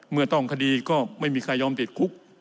เมื่อต้องคดีก็ไม่มีใครยอมติดคุก